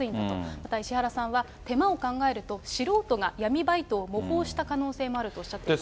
また石原さんは、手間を考えると、素人が闇バイトを模倣した可能性もあるとおっしゃっています。